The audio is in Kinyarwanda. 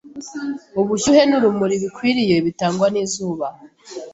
ubushyuhe n’urumuri bikwiriye bitangwa n’izuba